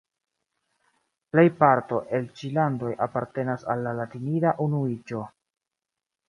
Plejparto el ĉi landoj apartenas al la Latinida Unuiĝo.